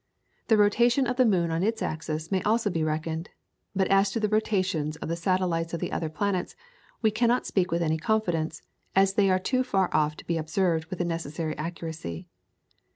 The rotation of the moon on its axis may also be reckoned, but as to the rotations of the satellites of the other planets we cannot speak with any confidence, as they are too far off to be observed with the necessary accuracy.